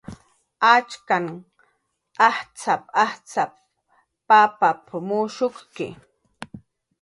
"Achkanh ajtz'ap"" ajtz'ap"" pap suqn mushukki"